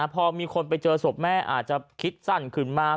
พอมีคนไปเจอศพแม่อาจจะคิดสั้นขึ้นมา